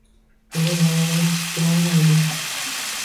U oʻz oyogʻida tik turolmaydi.